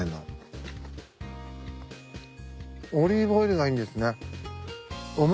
オリーブオイルがいいんですね。